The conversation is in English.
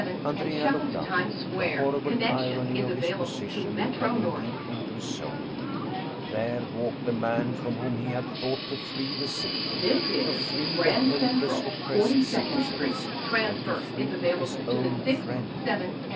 Andrea looked up, the horrible 79 German Mystery Stories irony of his position cutting deep into his soul. There walked the man from whom he had thought to free the city, to free the helpless, oppressed citizens, and to free his own friend.